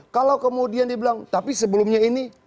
kalau kemudian dibilang tapi sebelumnya ini